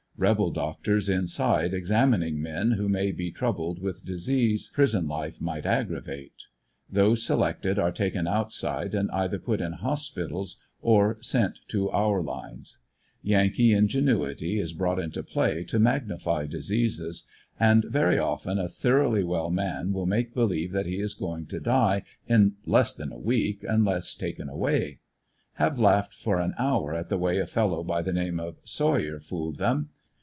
Rebel doctors inside examining men who may be troub led with disease prison life might aggravate. Those selected are taken outside and either put in hospitals or sent to our lines. Yan kee ingenuity is brought into play to magnify diseases, and ver 114 ANDERSONVILLE DIARY. often a thoroughly well man will make believe that he is going to die in less than a week unless taken away. Have laughed for an hour at the way a fellow by the name of Sawyer fooled them.